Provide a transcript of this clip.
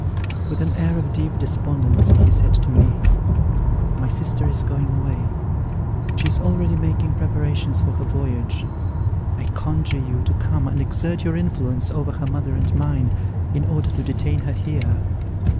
With an air of deep despondency he said to me "My sister is going away; she is already making preparations for her voyage. I conjure you to come and exert your influence over her mother and mine, in order to detain her here."